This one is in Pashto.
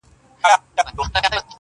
نه مي قهوې بې خوبي يو وړه نه ترخو شرابو.